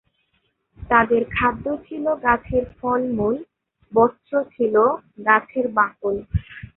তাদের খাদ্য ছিল গাছে ফলমূল, বস্ত্র ছিল গাছের বাকল।